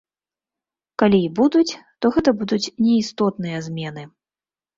Калі і будуць, то гэта будуць неістотныя змены.